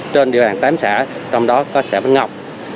trên địa bàn tám xã trong đó có xã vĩnh ngọc